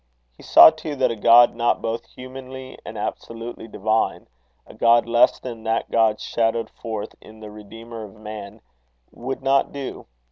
He saw too that a God not both humanly and absolutely divine, a God less than that God shadowed forth in the Redeemer of men, would not do.